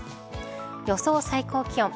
予想最高気温。